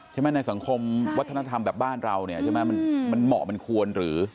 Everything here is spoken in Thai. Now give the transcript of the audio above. ใช่มั้ยในสังคมวัฒนธรรมแบบบ้านเรามันเหมาะมันควรหรือ